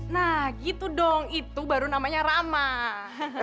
nah gitu dong itu baru namanya ramah